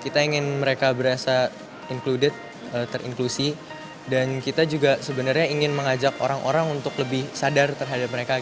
kita ingin mereka berasa included terinklusi dan kita juga sebenarnya ingin mengajak orang orang untuk lebih sadar terhadap mereka